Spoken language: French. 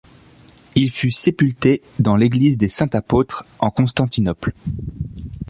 Il fut sépulté dans l'église des Saints-Apôtres en Constantinople.